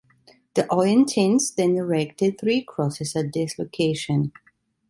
The Oyentins then erected three crosses at this location.